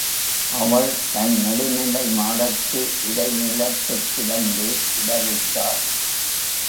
அவள் தன் நெடுநிலை மாடத்து இடைநிலத்துக் கிடந்து இடர் உற்றாள்.